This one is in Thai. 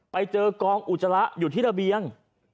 ไปเจอกองอุจจาระอยู่ที่ระเบียง